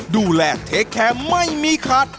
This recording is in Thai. ดูแลเทคแคร์ไม่มีขัด